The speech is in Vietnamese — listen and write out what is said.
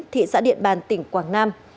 thị xã điện bàn tỉnh quảng nam